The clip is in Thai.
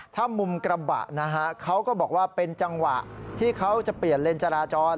ถ้ามุมกระบะนะฮะเขาก็บอกว่าเป็นจังหวะที่เขาจะเปลี่ยนเลนจราจร